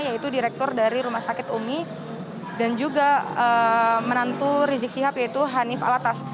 yaitu direktur dari rumah sakit umi dan juga menantu rizik syihab yaitu hanif alatas